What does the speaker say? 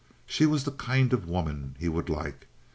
She was the kind of woman he would like.